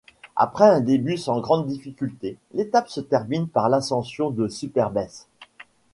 Après un début sans grande difficulté, l'étape se termine par l'ascension de Super-Besse.